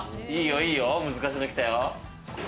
いいよいいよ、難しいの来たよ。